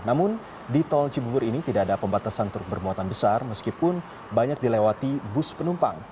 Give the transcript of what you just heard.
namun di tol cibubur ini tidak ada pembatasan truk bermuatan besar meskipun banyak dilewati bus penumpang